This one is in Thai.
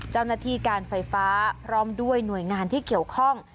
เจ้าหน้าที่การไฟฟ้าพร้อมด้วยหน่วยงานที่เกี่ยวข้อง